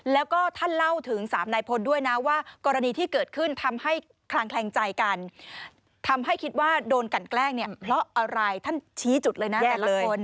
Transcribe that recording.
แล้วก็ท่านเล่าถึงสามนายพลด้วยนะว่ากรณีที่เกิดขึ้นทำให้คลางแคลงใจกันทำให้คิดว่าโดนกันแกล้งเนี่ยเพราะอะไรท่านชี้จุดเลยนะแต่ละคน